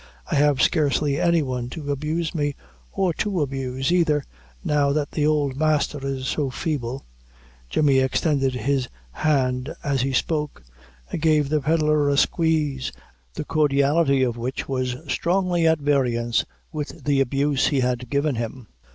I have scarcely any one to abuse me, or to abuse, either, now that the ould masther is so feeble." Jemmy extended his hand as he spoke, and gave the pedlar a squeeze, the cordiality of which was strongly at variance with the abuse he had given him.